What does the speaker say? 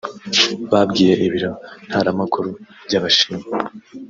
babwiye Ibiro Ntaramakuru by’Abashinwa